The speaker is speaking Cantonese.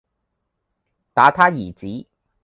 打他兒子，